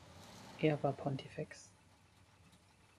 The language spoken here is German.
Er war Pontifex.